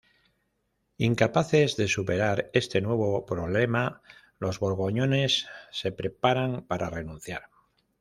Incapaces de superar este nuevo problema, los borgoñones se preparan para renunciar.